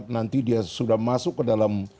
nanti dia sudah masuk ke dalam